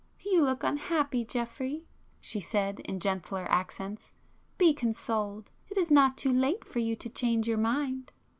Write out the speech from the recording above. "You look unhappy, Geoffrey,"—she said in gentler accents—"Be consoled!—it is not too late for you to change your mind!"